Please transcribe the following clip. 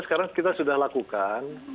sekarang kita sudah lakukan